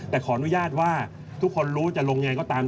แต่ขออนุญาตว่าทุกคนรู้จะลงยังไงก็ตาม